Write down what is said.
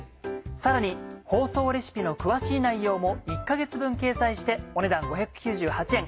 さらに放送レシピの詳しい内容も１か月分掲載してお値段５９８円。